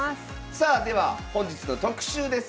さあでは本日の特集です。